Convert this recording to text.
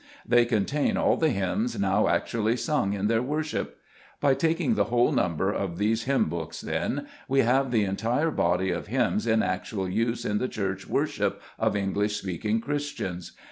They contain all the hymns now actually sung in their worship. By taking the w r hole number of these hymn books, then, we have the entire body of hymns in actual use in the Church worship of English speaking Christians.